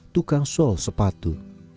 tukang sol sepatu